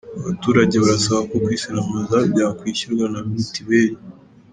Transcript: Abaturage barasaba ko kwisiramuza byakwishyurwa na mitiweli